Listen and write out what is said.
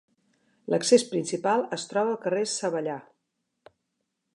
L'accés principal es troba al carrer Savellà.